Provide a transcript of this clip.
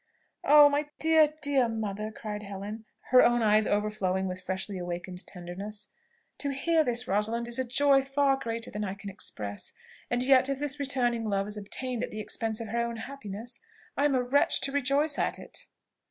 "Oh! my dear, dear mother!" cried Helen, her own eyes overflowing with freshly awakened tenderness. "To hear this, Rosalind, is a joy far greater than I can express: and yet, if this returning love is obtained at the expense of her own happiness, I am a wretch to rejoice at it."